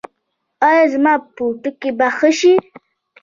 ایا زما پوټکی به ښه شي؟